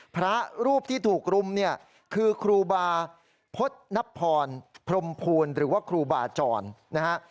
พระรูปที่ถูกรุมเนี่ยคือครูบาพฤษณพรพรมภูลหรือว่าครูบาจรนะฮะ